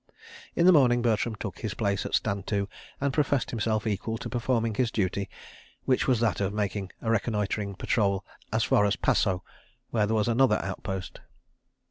In the morning Bertram took his place at Stand to and professed himself equal to performing his duty, which was that of making a reconnoitring patrol as far as Paso, where there was another outpost.